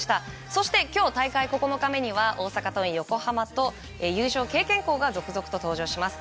そして、今日大会９日目には大阪桐蔭、横浜と優勝経験校が続々登場します。